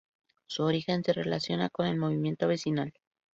Su origen se relaciona con el movimiento vecinal.